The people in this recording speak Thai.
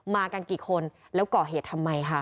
มากันกี่คนแล้วก่อเหตุทำไมค่ะ